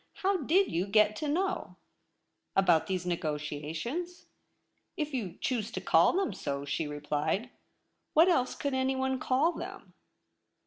' How did you get to know ?'' About these negotiations ?'' If you choose to call them so,' she replied. * What else could anyone call them